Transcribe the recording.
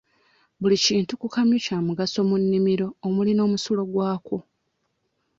Buli kintu ku kamyu kya mugaso mu nnimiro omuli n'omusulo gwako.